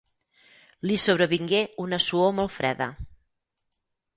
Li sobrevingué una suor molt freda.